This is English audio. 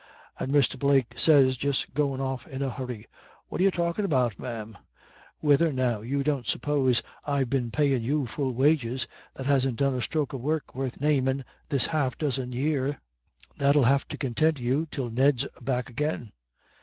"And Mr. Blake sez, just goin' off in a hurry, 'What are you talkin' about, man? Whethen now, you don't suppose I've been payin' you full wages, that hasn't done a stroke of work worth namin' this half dozen year? That'ill have to contint you till Ned's back agin.'